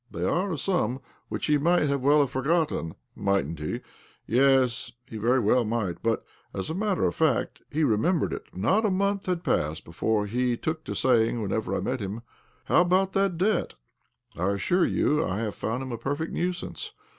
They are a sum which he might well have forgotten, mightn't he? Yes, he very well might. But as a matter of fact, he remembered it. Not a month had passed before he took to saying, whenever he met OBLOMOV 51 me :' How about that debt ?' I assure you I found hifti a perfect nuisance